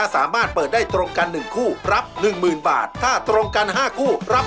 จนั้นได้รถคุณเข้ารอบครับ